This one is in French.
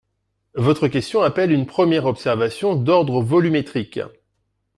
Votre question appelle une première observation d’ordre volumétrique.